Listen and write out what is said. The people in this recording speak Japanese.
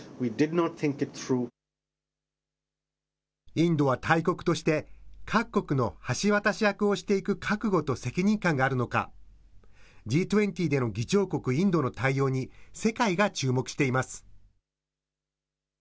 インドは大国として、各国の橋渡し役をしていく覚悟と責任感があるのか、Ｇ２０での議長国インドの対応に世界が注目しています。